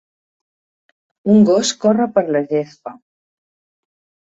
Un gos corre per la gespa.